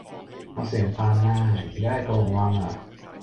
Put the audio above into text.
我食完飯啦，依家喺九龍灣啊